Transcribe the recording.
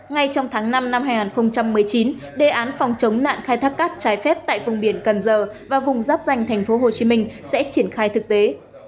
ngay trong tháng năm năm hai nghìn một mươi chín đề án phòng chống nạn khai thác cát trái phép tại vùng biển cần giờ và vùng giáp danh tp hcm sẽ triển khai thực tế